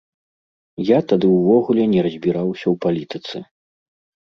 Я тады ўвогуле не разбіраўся ў палітыцы.